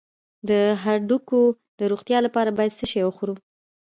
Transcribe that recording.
د هډوکو د روغتیا لپاره باید څه شی وخورم؟